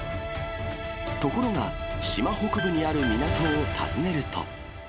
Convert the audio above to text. ところがシマ北部にある港を訪ねると。